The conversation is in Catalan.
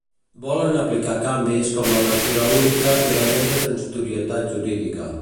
Volen aplicar canvis com la lectura única i la llei de transitorietat jurídica.